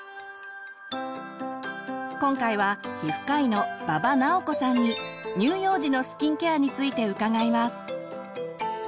今回は皮膚科医の馬場直子さんに乳幼児のスキンケアについて伺います。